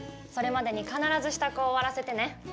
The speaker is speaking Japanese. それまでに必ず支度を終わらせてね。